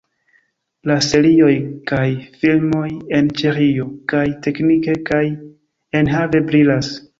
La serioj kaj filmoj el Ĉeĥio kaj teknike kaj enhave brilas.